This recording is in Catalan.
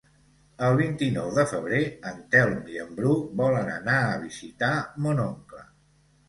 El vint-i-nou de febrer en Telm i en Bru volen anar a visitar mon oncle.